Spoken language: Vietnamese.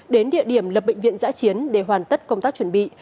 đến địa điểm lập bệnh viện giã chiến để hoàn tất công tác chuẩn bị